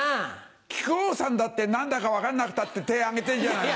木久扇さんだって何だか分かんなくたって手挙げてんじゃないの。